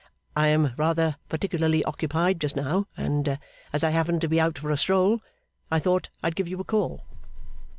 'I am rather particularly occupied just now; and, as I happened to be out for a stroll, I thought I'd give you a call.